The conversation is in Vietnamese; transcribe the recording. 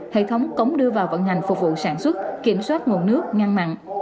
hệ thống cống đưa vào vận hành phục vụ sản xuất kiểm soát nguồn nước ngăn mặn